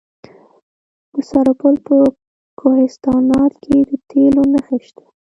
د سرپل په کوهستانات کې د تیلو نښې شته.